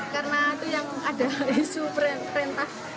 karena itu yang ada isu perintah